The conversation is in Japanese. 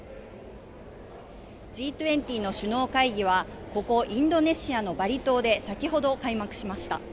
Ｇ２０の首脳会議はここインドネシアのバリ島で先ほど開幕しました。